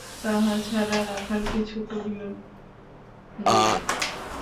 তাহা ছাড়া রাখাল কিছু কড়িও লইল।